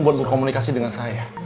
untuk berkomunikasi dengan saya